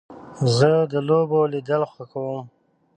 زه د لوبو لیدل خوښوم.